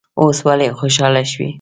اوس ولې خوشاله شوې.